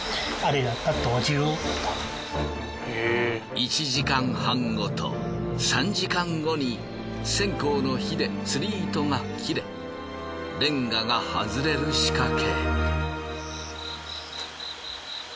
１時間半ごと３時間後に線香の火で釣り糸が切れレンガが外れる仕掛け。